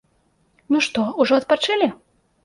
Ну, што, ужо адпачылі?